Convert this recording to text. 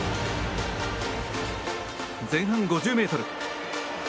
前半５０ｍ。